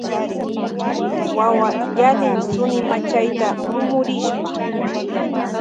Wawa yalin sunimachayta kumurishpa.